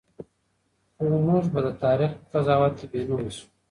خو موږ به د تاریخ په قضاوت کې بېنومه شو.